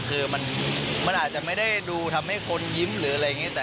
คือมันอาจจะไม่ได้ดูทำให้คนยิ้มหรืออะไรอย่างนี้